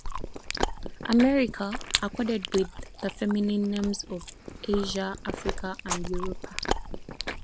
"America" accorded with the feminine names of Asia, Africa, and Europa.